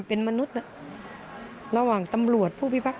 คุณพ่อครับสารงานต่อของคุณพ่อครับ